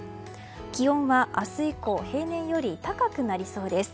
気温は明日以降平年より高くなりそうです。